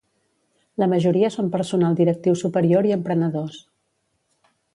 La majoria són personal directiu superior i emprenedors.